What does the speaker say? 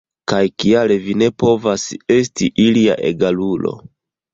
Kaj kial vi ne povas esti ilia egalulo?